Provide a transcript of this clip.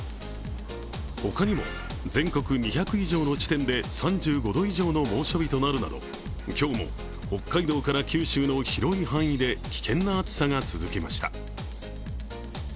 他にも全国２００以上の地点で３５度以上の猛暑日となるなど今日も北海道から九州の広い範囲で危険な暑さが続きました。